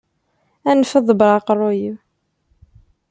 Anef ad ḍebbreɣ aqerru-iw.